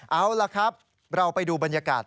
เอาล่ะครับเราไปดูบรรยากาศ